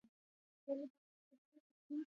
ازادي راډیو د تعلیمات د نجونو لپاره حالت په ډاګه کړی.